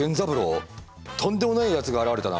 とんでもないやつが現れたな！